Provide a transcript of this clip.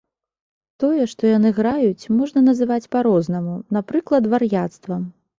Тое, што яны граюць, можна называць па-рознаму, напрыклад, вар'яцтвам.